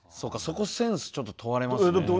そこセンスちょっと問われますね。